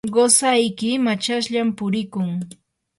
qusayki machashllam purikun.